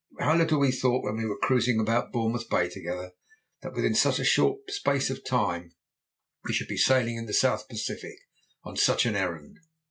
"How little we thought when we were cruising about Bournemouth Bay together that within such a short space of time we should be sailing the South Pacific on such an errand!